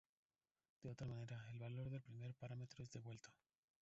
De otra manera, el valor del primer parámetro es devuelto.